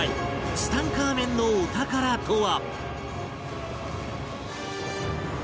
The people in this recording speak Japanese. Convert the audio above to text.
ツタンカーメンのお宝とは？